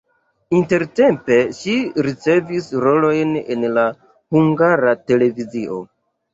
Intertempe ŝi ricevis rolojn en la Hungara Televizio.